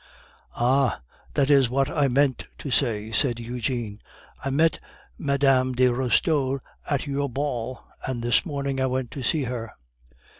"Ah! that is what I meant to say!" said Eugene. "I met Mme. de Restaud at your ball, and this morning I went to see her.